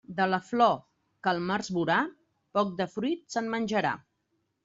De la flor que el març vorà, poc de fruit se'n menjarà.